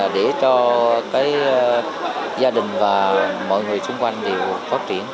để cho gia đình và mọi người xung quanh phát triển